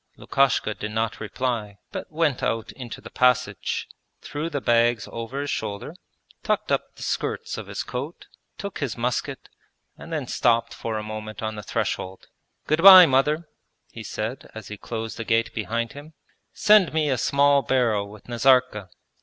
Lukashka did not reply, but went out into the passage, threw the bags over his shoulder, tucked up the skirts of his coat, took his musket, and then stopped for a moment on the threshold. 'Good bye, mother!' he said as he closed the gate behind him. 'Send me a small barrel with Nazarka.